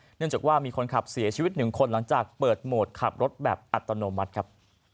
เนื่องจากว่ามีคนขับเสียชีวิตหนึ่งคนหลังจากเปิดโหมดขับรถแบบอัตโนมัติครับ